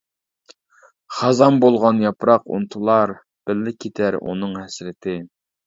خازان بولغان ياپراق ئۇنتۇلار، بىللە كېتەر ئۇنىڭ ھەسرىتى.